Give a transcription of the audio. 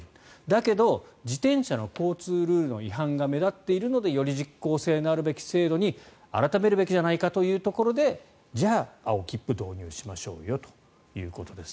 だけど、自転車の交通ルールの違反が目立っているのでより実効性のある制度に改めるべきじゃないかというところでじゃあ、青切符導入しましょうよということです。